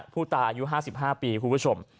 ผู้ตายอายุ๕๕ปีคุณผู้ชม